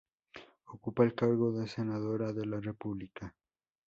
Ocupa el cargo de senadora de la República.